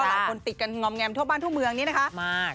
หลายคนติดกันงอมแงมทั่วบ้านทั่วเมืองนี้นะคะ